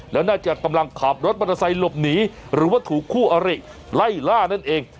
แล้วน่าจะกำลังขับรถมอเตอร์ไซค์หลบหนีหรือว่าถูกคู่อริไล่ล่านั่นเอง